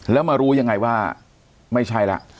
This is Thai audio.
แล้วมารู้ยังไงว่าไม่ใช่แล้ว